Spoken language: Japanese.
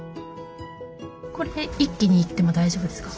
これで一気にいっても大丈夫ですか？